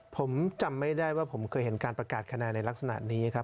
ผมจำไม่ได้ว่าผมเคยเห็นการประกาศคะแนนในลักษณะนี้ครับ